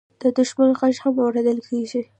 د دښمن غږ هم اورېدل کېږي.